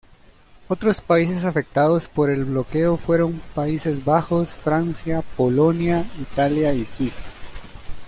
Otros países afectados por el bloqueo fueron: Países Bajos, Francia, Polonia, Italia y Suiza.